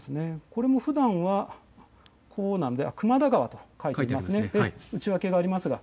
これもふだんは熊田川と書いてありますね。